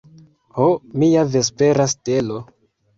Ho, mia vespera stelo!